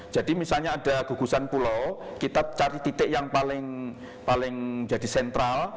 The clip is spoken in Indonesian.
jadi misalnya ada gugusan pulau kita cari titik yang paling jadi sentral